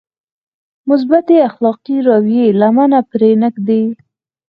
مثبتې اخلاقي رويې لمنه پرې نهږدي.